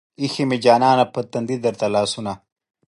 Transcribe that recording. ايښې مې جانانه پۀ تندي درته لاسونه